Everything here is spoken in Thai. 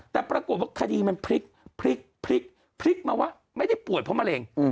แต่ปรากฏว่าคดีมันพลิกพลิกมาว่าไม่ได้ป่วยเพราะมะเร็ง